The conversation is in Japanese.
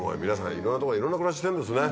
いろんなとこでいろんな暮らししてるんですね。